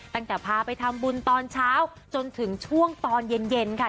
ตั้งแต่พาไปทำบุญตอนเช้าจนถึงช่วงตอนเย็นค่ะ